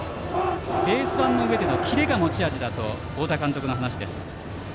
ベース板の上でのキレが持ち味と太田監督の話です。